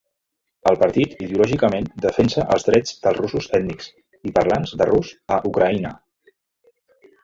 El partit ideològicament defensa els drets dels russos ètnics i parlants de rus a Ucraïna.